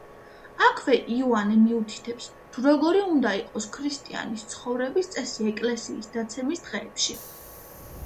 აქვე იოანე მიუთითებს, თუ როგორი უნდა იყოს ქრისტიანის ცხოვრების წესი ეკლესიის დაცემის დღეებში.